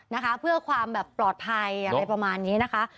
นะคะเพื่อความแบบปลอดภัยอะไรประมาณนี้นะคะ